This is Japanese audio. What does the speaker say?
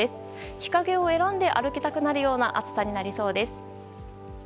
日陰を選んで歩きたくなるような暑さになりそうです。